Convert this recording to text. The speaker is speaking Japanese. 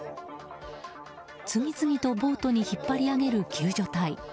次々とボートに引っ張り上げる救助隊。